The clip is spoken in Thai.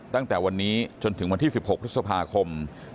ตั้งแต่วันนี้จนถึงวันที่๑๖พฤษภาคม